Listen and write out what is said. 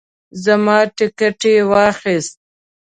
زما ټیکټ یې واخیست.